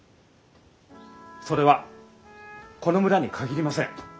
それはこの村に限りません。